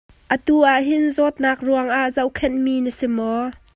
Atu ah hin zawtnak ruangah zohkhenh mi na si maw?